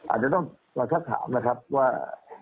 อาจจะต้องมาสักถามนะครับว่า